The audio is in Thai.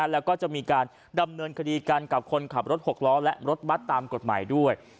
แล้วก็จะมีการดำเนินคดีกันกับคนขับรถหกล้อและรถบัตรตามกฎหมายด้วย